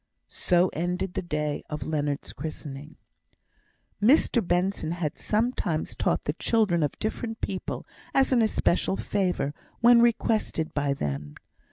So ended the day of Leonard's christening. Mr Benson had sometimes taught the children of different people as an especial favour, when requested by them.